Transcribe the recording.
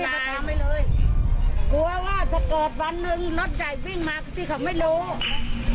กลัวว่าจะเกิดวันหนึ่งรถใจวิ่งมาที่เขาไม่รู้